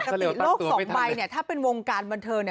ปกติโลกสองใบเนี่ยถ้าเป็นวงการบันเทิงเนี่ย